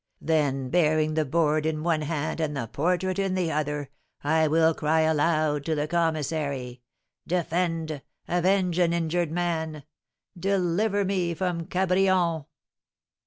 Then, bearing the board in one hand and the portrait in the other, I will cry aloud to the commissary, 'Defend, avenge an injured man! Deliver me from Cabrion!'"